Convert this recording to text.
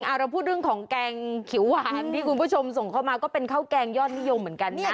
เราพูดเรื่องของแกงเขียวหวานที่คุณผู้ชมส่งเข้ามาก็เป็นข้าวแกงยอดนิยมเหมือนกันนะ